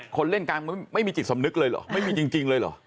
คนเล่นกลางไม่มีจิตสำนึกเลยเหรอไม่มีจริงเลยเหรอ